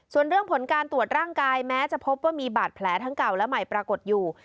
ส่วนเรื่องผลการตรวจร่างกายแม้จะพบว่ามีบาดแผลทั้งเก่าและใหม่ปรากฏอยู่